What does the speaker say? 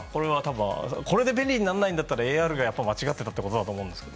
これで便利にならないんだったらＡＲが間違ってたってことになりますよ。